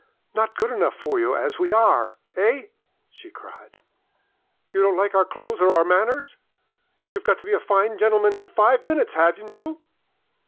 "Not good enough for you as we are, eh?" she cried. "You don't like our clothes or our manners! You've got to be a fine gentleman in five minutes, haven't you?